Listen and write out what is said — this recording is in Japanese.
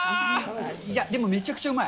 いやでもめちゃくちゃうまい。